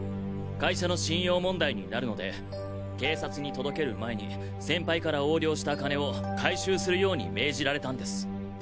会社の信用問題になるので警察に届ける前に先輩から横領した金を回収するように命じられたんです。